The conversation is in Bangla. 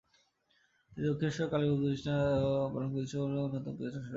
তিনি দক্ষিণেশ্বর কালীবাড়ির প্রতিষ্ঠাত্রী এবং রামকৃষ্ণ পরমহংসের অন্যতমা পৃষ্ঠপোষক।